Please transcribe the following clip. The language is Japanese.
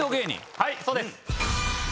はいそうです。